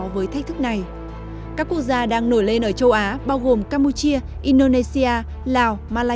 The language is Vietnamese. và chắc chắn sẽ không đủ nếu chỉ là u n